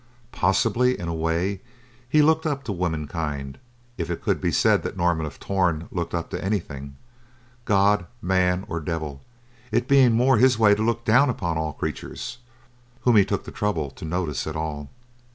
Possibly, in a way, he looked up to womankind, if it could be said that Norman of Torn looked up to anything: God, man or devil—it being more his way to look down upon all creatures whom he took the trouble to notice at all.